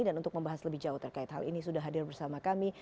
dan untuk membahas lebih jauh terkait hal ini sudah hadir bersama kami